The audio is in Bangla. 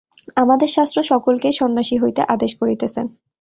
আমাদের শাস্ত্র সকলকেই সন্ন্যাসী হইতে আদেশ করিতেছেন।